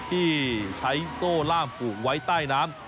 ที่ใช้โซ่ล่ามผูกไว้ใต้น้ำ